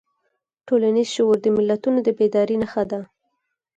ټولنیز شعور د ملتونو د بیدارۍ نښه ده.